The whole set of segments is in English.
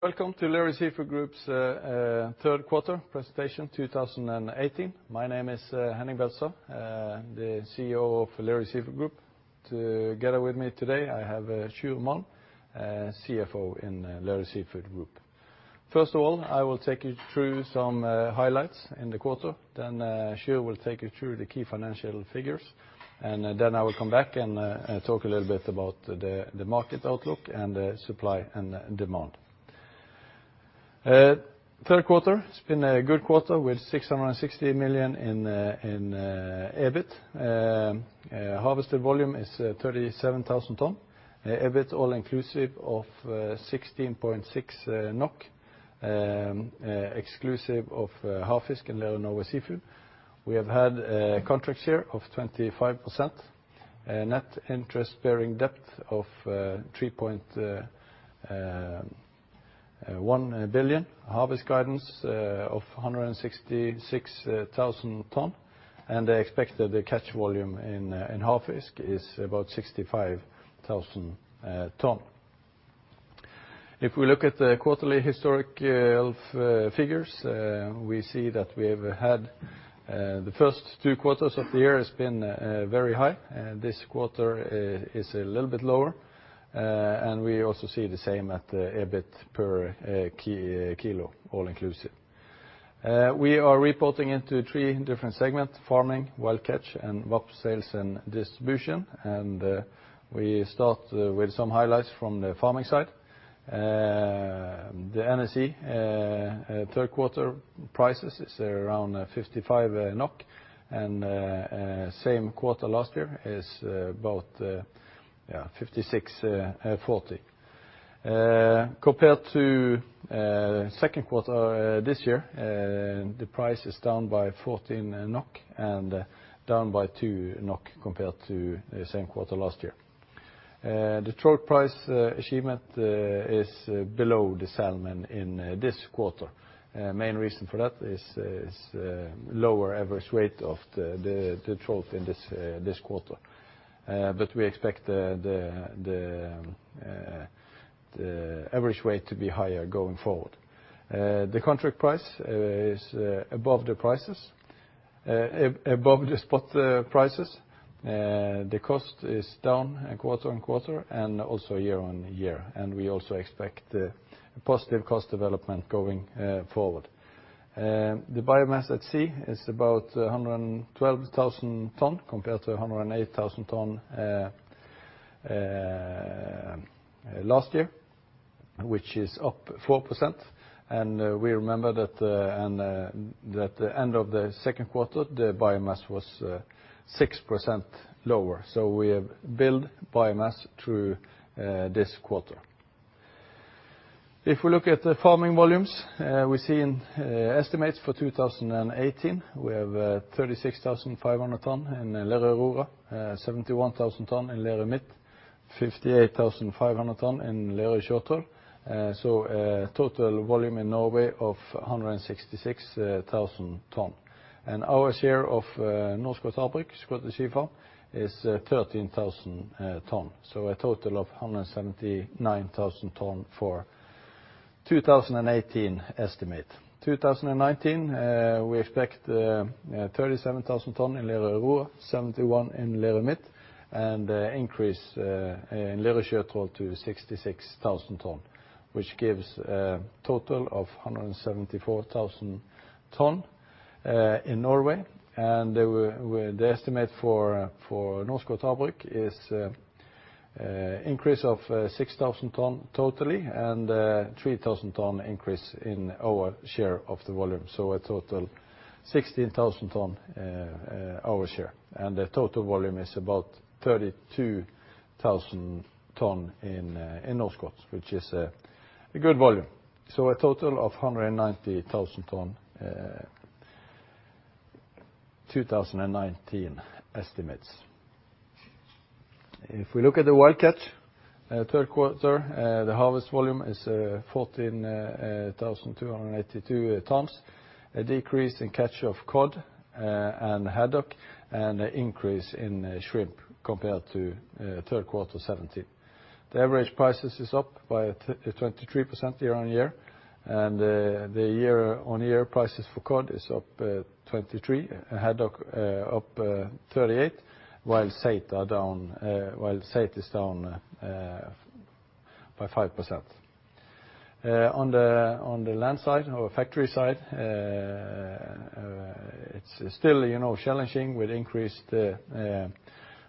Welcome to Lerøy Seafood Group's third quarter presentation 2018. My name is Henning Beltestad, CEO of Lerøy Seafood Group. Together with me today, I have Sjur Malm, CFO in Lerøy Seafood Group. First of all, I will take you through some highlights in the quarter. Sjur will take you through the key financial figures. I will come back and talk a little bit about the market outlook and the supply and demand. Third quarter has been a good quarter with 660 million in EBIT. Harvested volume is 37,000 tons. EBIT all-inclusive of NOK 16.6, exclusive of Havfisk in Lerøy Seafood. We have had a contract share of 25%, a net interest-bearing debt of NOK 3.1 billion, harvest guidance of 166,000 tons, and the expected catch volume in Havfisk is about 65,000 tons. If we look at the quarterly historical figures, we see that we have had the first two quarters of the year has been very high, and this quarter is a little bit lower. We also see the same at the EBIT per kilo, all inclusive. We are reporting into three different segments: Farming, Wild Catch, and Sales and Distribution. We start with some highlights from the Farming side. The LSG third quarter prices is around 55 NOK, and same quarter last year is about 56.40 NOK. Compared to second quarter this year, the price is down by 14 NOK and down by 2 NOK compared to the same quarter last year. The trout price achievement is below the salmon in this quarter. Main reason for that is lower average rate of the trout in this quarter. We expect the average weight to be higher going forward. The contract price is above the spot prices. The cost is down quarter-on-quarter and also year-on-year, and we also expect a positive cost development going forward. The biomass at sea is about 112,000 ton compared to 108,000 ton last year, which is up 4%. We remember that at the end of the second quarter, the biomass was 6% lower. We have built biomass through this quarter. If we look at the Farming volumes, we see an estimate for 2018. We have 36,500 ton in Lerøy Aurora, 71,000 ton in Lerøy Midt, 58,500 ton in Lerøy Sjøtroll. A total volume in Norway of 166,000 ton. Our share of Norskott Havbruk, Scottish Sea Farms, is 13,000 ton. A total of 179,000 ton for 2018 estimate. 2019, we expect 37,000 tons in Lerøy Aurora, 71,000 in Lerøy Midt, and increase in Lerøy Sjøtroll to 66,000 tons, which gives a total of 174,000 tons in Norway. The estimate for Scottish Sea Farms is increase of 6,000 tons totally and 3,000 tons increase in our share of the volume. A total 16,000 tons our share. The total volume is about 32,000 tons in Norskott, which is a good volume. A total of 190,000 tons 2019 estimates. If we look at the Wild Catch, third quarter, the harvest volume is 14,282 tons. A decrease in catch of cod and haddock and an increase in shrimp compared to third quarter 2017. The average prices is up by 23% year-on-year, and the year-on-year prices for cod is up 23%, haddock up 38%, while saithe is down by 5%. On the land side or factory side, it's still challenging with increased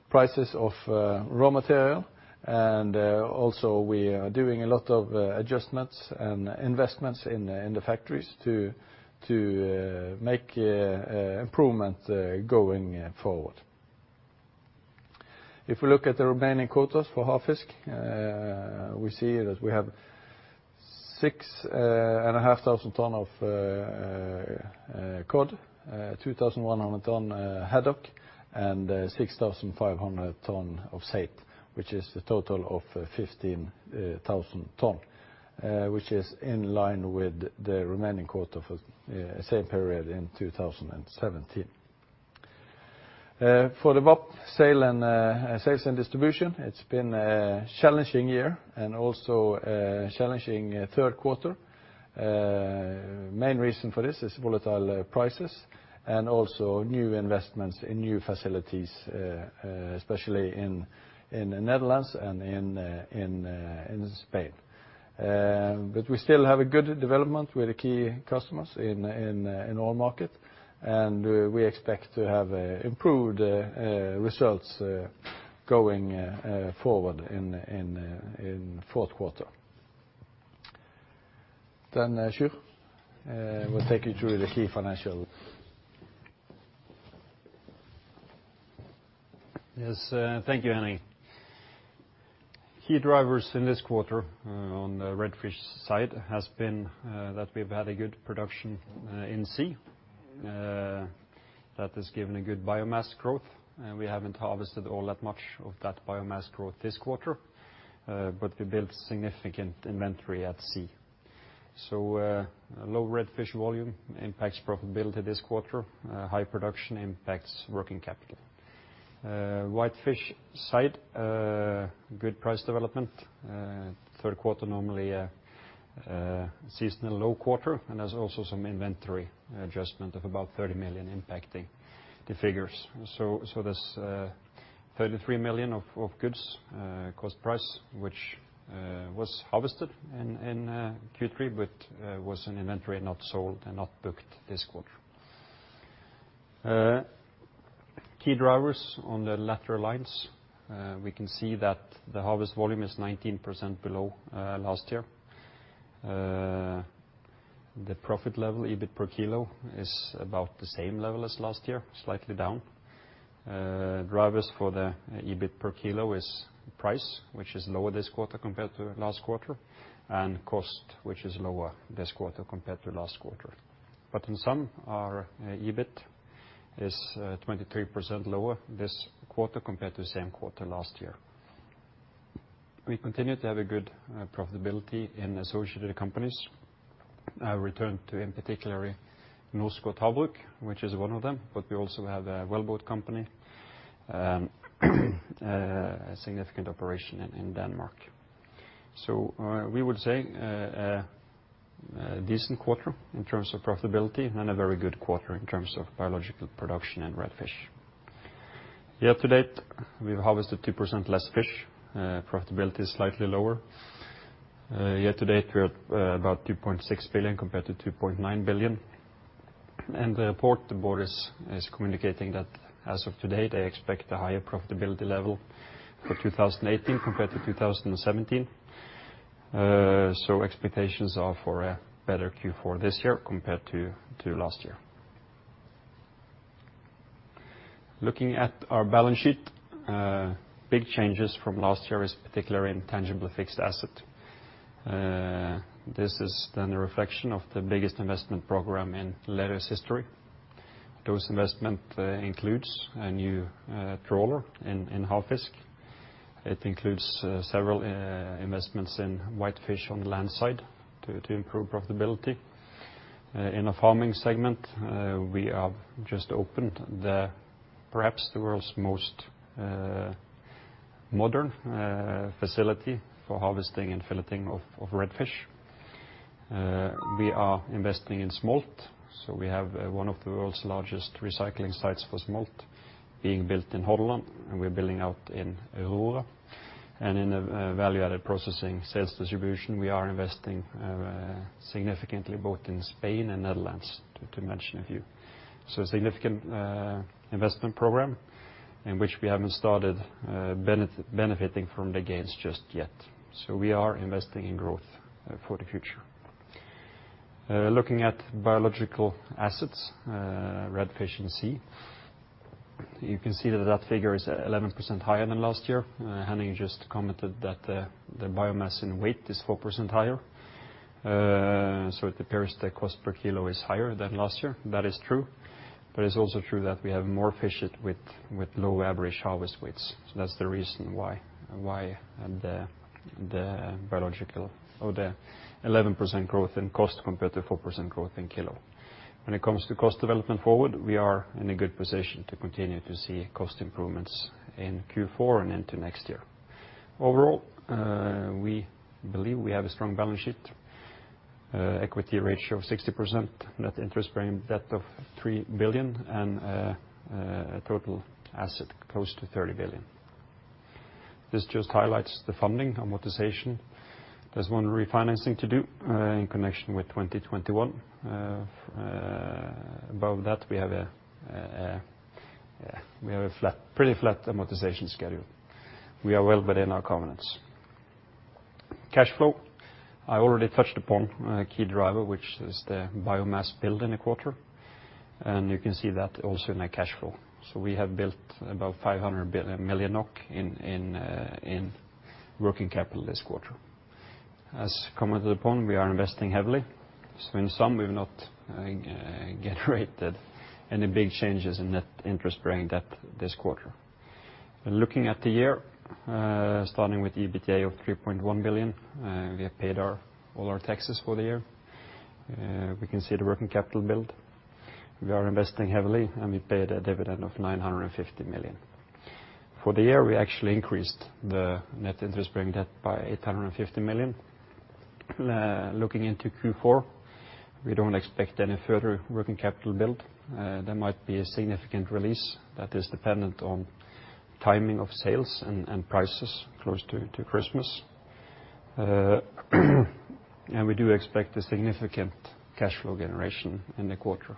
prices of raw material, and also we are doing a lot of adjustments and investments in the factories to make improvement going forward. If we look at the remaining quotas for Havfisk, we see that we have 6,500 ton of cod, 2,100 ton haddock, and 6,500 ton of saithe, which is a total of 15,000 ton which is in line with the remaining quota for same period in 2017. For the VAP, Sales and Distribution, it's been a challenging year and also a challenging third quarter. Main reason for this is volatile prices and also new investments in new facilities, especially in Netherlands and in Spain. We still have a good development with the key customers in all markets, and we expect to have improved results going forward in fourth quarter. Sjur will take you through the key financial. Yes. Thank you, Henning. Key drivers in this quarter on the redfish side has been that we've had a good production in sea. That has given a good biomass growth. We haven't harvested all that much of that biomass growth this quarter, but we built significant inventory at sea. Low redfish volume impacts profitability this quarter. High production impacts working capital. Whitefish side, good price development. Third quarter, normally a seasonal low quarter. There's also some inventory adjustment of about 30 million impacting the figures. There's 33 million of goods, cost price, which was harvested in Q3, but was in inventory, not sold and not booked this quarter. Key drivers on the lateral lines. We can see that the harvest volume is 19% below last year. The profit level, EBIT per kilo, is about the same level as last year, slightly down. Drivers for the EBIT per kilo is price, which is lower this quarter compared to last quarter, and cost, which is lower this quarter compared to last quarter. In sum, our EBIT is 23% lower this quarter compared to the same quarter last year. We continue to have a good profitability in associated companies. I return to, in particular, Norskott Havbruk, which is one of them, but we also have Wellboat company, a significant operation in Denmark. We would say, a decent quarter in terms of profitability and a very good quarter in terms of biological production and redfish. Year to date, we've harvested 2% less fish. Profitability is slightly lower. Year to date, we're at about 2.6 billion compared to 2.9 billion. The board is communicating that as of today, they expect a higher profitability level for 2018 compared to 2017. Expectations are for a better Q4 this year compared to last year. Looking at our balance sheet, big changes from last year is particularly in tangible fixed assets. This is a reflection of the biggest investment program in Lerøy's history. Those investments includes a new trawler in Havfisk. It includes several investments in whitefish on the land side to improve profitability. In a Farming segment, we have just opened perhaps the world's most modern facility for harvesting and filleting of redfish. We are investing in smolt; we have one of the world's largest recirculating sites for smolt being built in Hordaland, and we're building out in Aurora. In the value-added processing sales distribution, we are investing significantly both in Spain and Netherlands, to mention a few. A significant investment program in which we haven't started benefiting from the gains just yet. We are investing in growth for the future. Looking at biological assets, redfish in sea. You can see that figure is 11% higher than last year. Henning just commented that the biomass in weight is 4% higher. It appears the cost per kilo is higher than last year. That is true. It's also true that we have more fish with low average harvest weights. That's the reason why the biological or the 11% growth in cost, compared to 4% growth in kilo. When it comes to cost development forward, we are in a good position to continue to see cost improvements in Q4 and into next year. Overall, we believe we have a strong balance sheet, equity ratio of 60%, net interest-bearing debt of 3 billion and a total asset close to 30 billion. This just highlights the funding amortization. There's one refinancing to do in connection with 2021. Above that, we have a pretty flat amortization schedule. We are well within our covenants. Cash flow, I already touched upon a key driver, which is the biomass build in the quarter, and you can see that also in the cash flow. We have built about 500 million NOK in working capital this quarter. As commented upon, we are investing heavily. In sum, we've not yet rated any big changes in net interest-bearing debt this quarter. Looking at the year, starting with EBITDA of 3.1 billion. We have paid all our taxes for the year. We can see the working capital build. We are investing heavily, and we paid a dividend of 950 million. For the year, we actually increased the net interest-bearing debt by 850 million. Looking into Q4, we don't expect any further working capital build. There might be a significant release that is dependent on timing of sales and prices close to Christmas. We do expect a significant cash flow generation in the quarter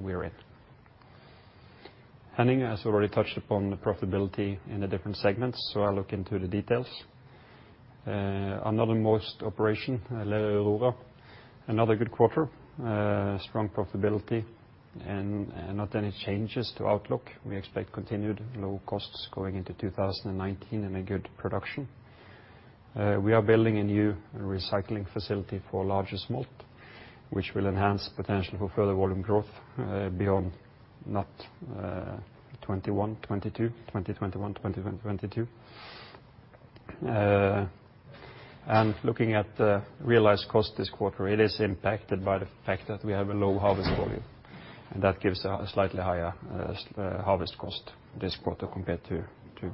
we are in. Henning has already touched upon the profitability in the different segments, so I'll look into the details. Our northernmost operation, Lerøy Aurora. Another good quarter. Strong profitability and not any changes to outlook. We expect continued low costs going into 2019 and a good production. We are building a new recirculating facility for larger smolt, which will enhance potential for further volume growth beyond Q1 2021-2022. Looking at the realized cost this quarter, it is impacted by the fact that we have a low harvest volume, and that gives a slightly higher harvest cost this quarter compared to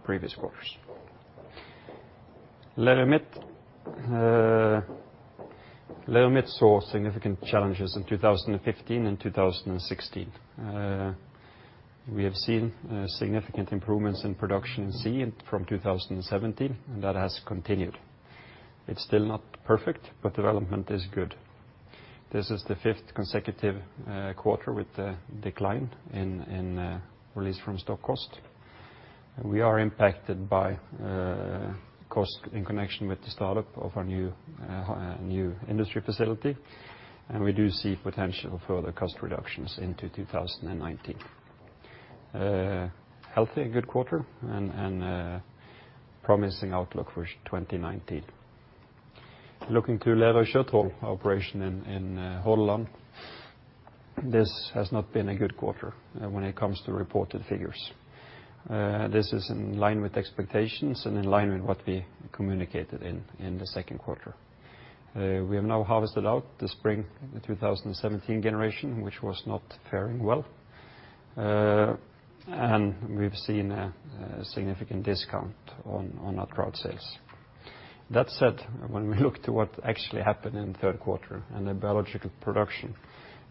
previous quarters. Lerøy Midt saw significant challenges in 2015 and 2016. We have seen significant improvements in production seen from 2017, and that has continued. It's still not perfect, but development is good. This is the fifth consecutive quarter with a decline in release from stock cost. We are impacted by cost in connection with the startup of our new industry facility, and we do see potential for further cost reductions into 2019. Healthy and good quarter, and a promising outlook for 2019. Looking to Lerøy Sjøtroll operation in Hordaland. This has not been a good quarter when it comes to reported figures. This is in line with expectations and in line with what we communicated in the second quarter. We have now harvested out the spring of 2017 generation, which was not faring well. We've seen a significant discount on our trout sales. That said, when we look to what actually happened in the third quarter and the biological production,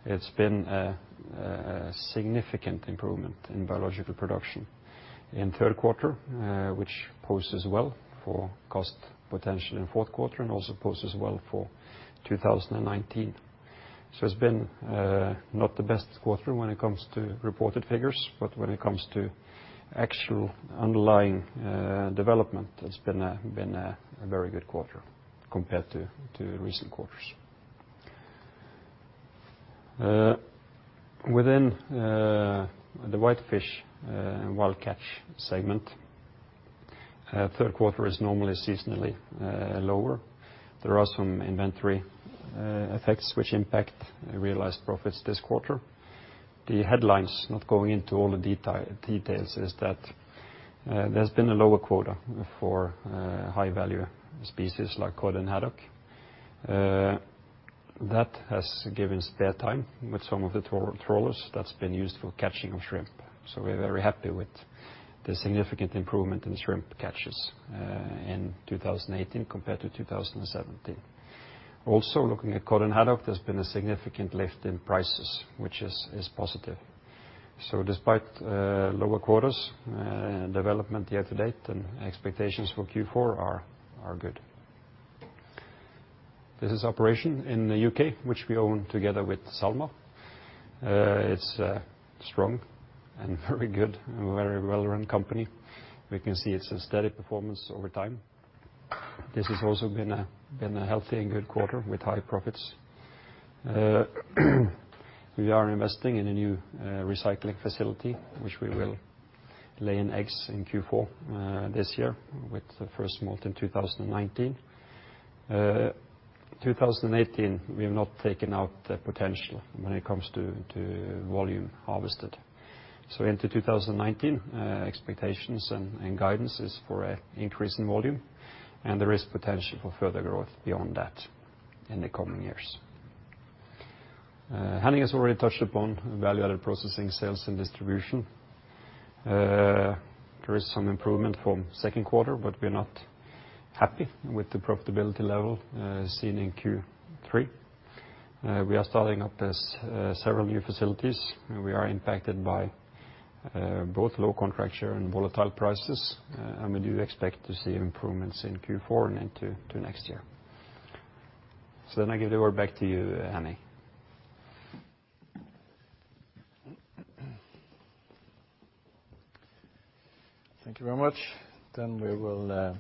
it has been a significant improvement in biological production in the third quarter, which poses well for cost potential in the fourth quarter and also poses well for 2019. It has been not the best quarter when it comes to reported figures, but when it comes to actual underlying development, it has been a very good quarter compared to recent quarters. Within the whitefish and Wild Catch segment, third quarter is normally seasonally lower. There are some inventory effects which impact realized profits this quarter. The headlines, not going into all the details, is that there has been a lower quota for high-value species like cod and haddock. That has given spare time with some of the trawlers that has been used for catching shrimp. We're very happy with the significant improvement in shrimp catches in 2018 compared to 2017. Looking at cod and haddock, there's been a significant lift in prices, which is positive. Despite lower quotas, development year to date and expectations for Q4 are good. This operation in the U.K., which we own together with SalMar, it's strong and very good and a very well-run company. We can see it's a steady performance over time. This has also been a healthy and good quarter with high profits. We are investing in a new recirculating facility, which we will lay in eggs in Q4 this year with the first smolt in 2019. 2018, we have not taken out the potential when it comes to volume harvested. Into 2019, expectations and guidance is for an increase in volume, and there is potential for further growth beyond that in the coming years. Henning has already touched upon value-added processing, sales, and distribution. There is some improvement from the second quarter, but we're not happy with the profitability level seen in Q3. We are starting up several new facilities. We are impacted by both low contract year and volatile prices, and we do expect to see improvements in Q4 and into next year. I give it back to you, Henning. Thank you very much. We will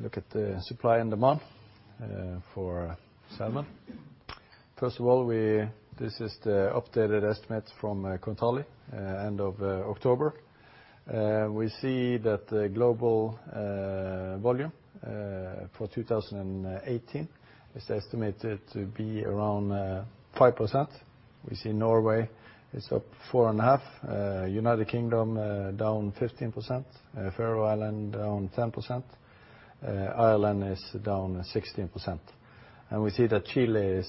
look at the supply and demand for salmon. First of all, this is the updated estimate from Kontali end of October. We see that the global volume for 2018 is estimated to be around 5%. We see Norway is up 4.5%, United Kingdom down 15%, Faroe Islands down 10%, Ireland is down 16%. We see that Chile is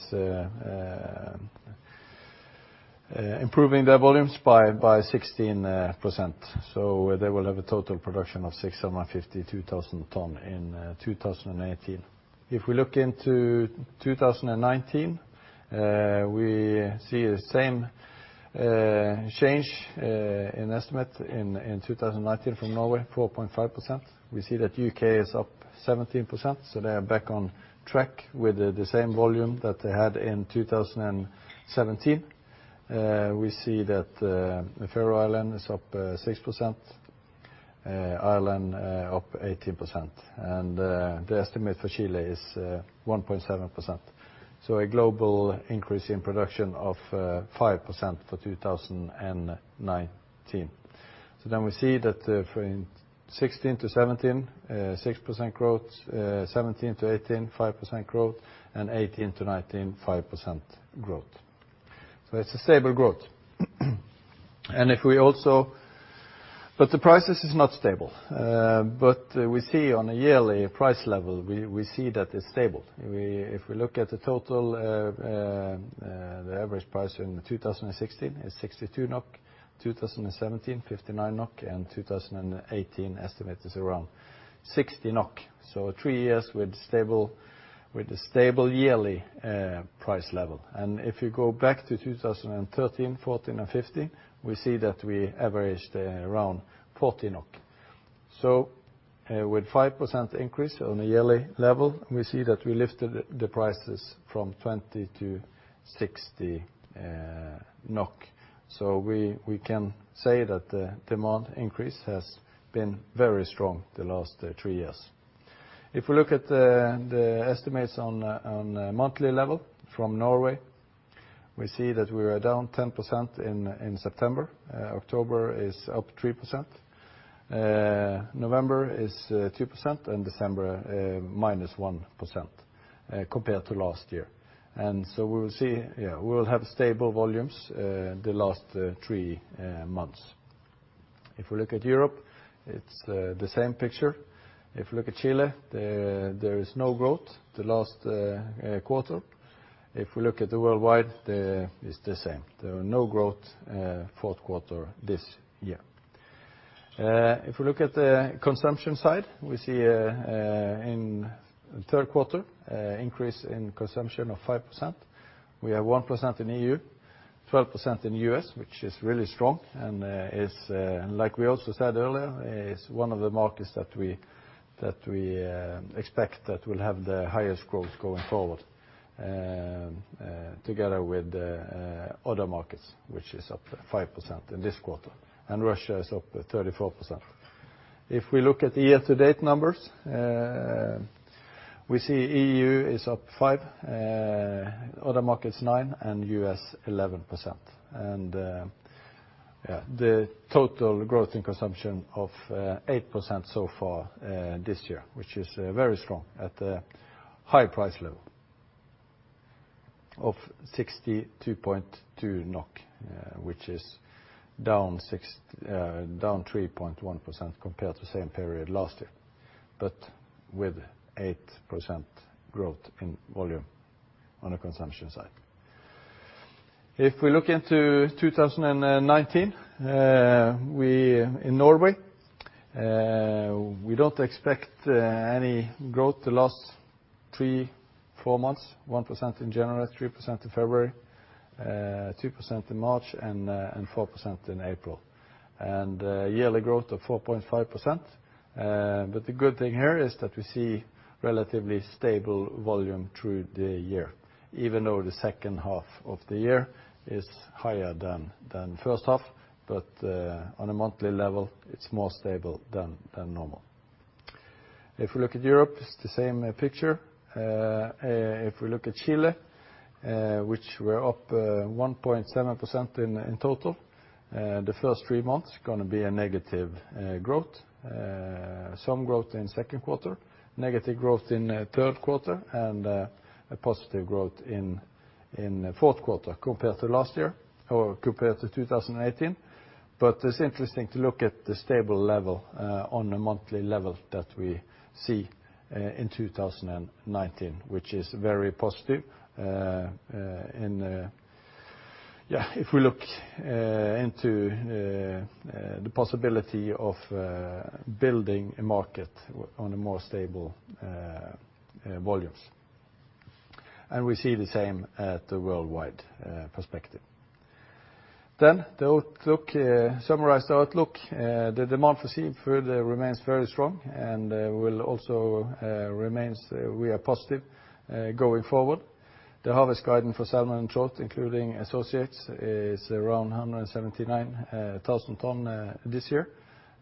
improving their volumes by 16%, so they will have a total production of 652,000 tons in 2018. If we look into 2019, we see the same change in estimate in 2019 from Norway, 4.5%. We see that U.K. is up 17%, so they are back on track with the same volume that they had in 2017. We see that the Faroe Island is up 6%, Ireland up 18%, and the estimate for Chile is 1.7%. A global increase in production of 5% for 2019. We see that from 2016 to 2017, 6% growth, 2017 to 2018, 5% growth, and 2018 to 2019, 5% growth. It's a stable growth. The prices is not stable. We see on a yearly price level, we see that it's stable. If we look at the total, the average price in 2016 is 62 NOK, 2017, 59 NOK, and 2018 estimate is around 60 NOK. Three years with a stable yearly price level. If you go back to 2013, 2014, and 2015, we see that we averaged around 40 NOK. With 5% increase on a yearly level, we see that we lifted the prices from 20 to 60 NOK. We can say that the demand increase has been very strong the last three years. If we look at the estimates on a monthly level from Norway, we see that we are down 10% in September. October is up 3%. November is 2%, December, -1% compared to last year. We'll see, we'll have stable volumes the last three months. If we look at Europe, it's the same picture. If you look at Chile, there is no growth the last quarter. If we look at the worldwide, it's the same. There are no growth fourth quarter this year. If we look at the consumption side, we see in third quarter increase in consumption of 5%. We have 1% in EU, 12% in U.S., which is really strong, and like we also said earlier, is one of the markets that we expect that will have the highest growth going forward, together with the other markets, which is up to 5% in this quarter, and Russia is up at 34%. If we look at the year to date numbers, we see EU is up 5%, other markets 9%, and U.S. 11%. The total growth in consumption of 8% so far this year, which is very strong at a high price level of 62.2 NOK, which is down 3.1% compared to the same period last year, but with 8% growth in volume on the consumption side. If we look into 2019, in Norway, we don't expect any growth the last three, four months, 1% in January, 3% in February, 2% in March, and 4% in April. Yearly growth of 4.5%. The good thing here is that we see relatively stable volume through the year, even though the second half of the year is higher than first half, but on a monthly level, it's more stable than normal. If we look at Europe, it's the same picture. If we look at Chile, which we are up 1.7% in total, the first three months going to be a negative growth. Some growth in second quarter, negative growth in third quarter, and a positive growth in fourth quarter compared to last year or compared to 2018. It's interesting to look at the stable level on a monthly level that we see in 2019, which is very positive. If we look into the possibility of building a market on a more stable volumes. We see the same at the worldwide perspective. The summarized outlook. The demand for seafood remains very strong and will also remains we are positive going forward. The harvest guidance for salmon and trout, including associates, is around 179,000 ton this year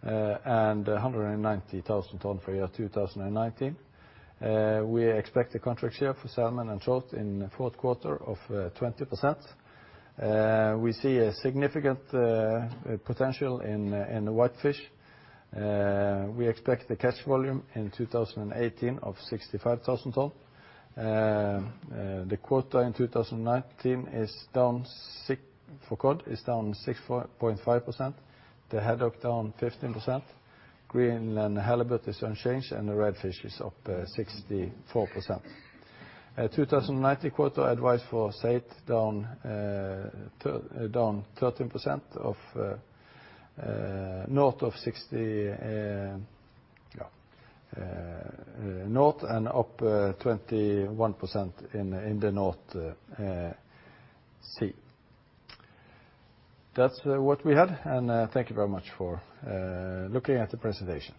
and 190,000 ton for year 2019. We expect the contract share for salmon and trout in the fourth quarter of 20%. We see a significant potential in the whitefish. We expect the catch volume in 2018 of 65,000 ton. The quota in 2019 for cod is down 6.5%, the haddock down 15%, Greenland halibut is unchanged, and the redfish is up 64%. 2019 quota advice for saithe, down 13% north of 60 north and up 21% in the North Sea. That's what we had, and thank you very much for looking at the presentation. Thank you.